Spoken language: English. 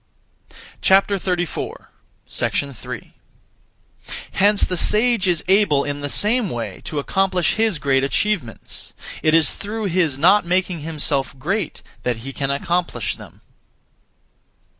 3. Hence the sage is able (in the same way) to accomplish his great achievements. It is through his not making himself great that he can accomplish them.